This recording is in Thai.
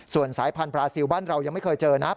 ส่วนสายพันธบราซิลบ้านเรายังไม่เคยเจอนะ